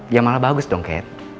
ya malah bagus dong kan